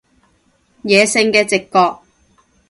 野性嘅直覺